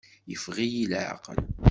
Yeffeɣ-iyi laɛqel.